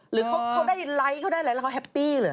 หรือเขาได้ไลค์เขาได้อะไรแล้วเขาแฮปปี้เลย